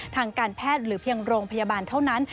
ทางการแพทย์หรือเพียงโรงพยาบาลเท่านั้น